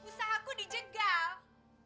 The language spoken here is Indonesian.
usaha aku dijegal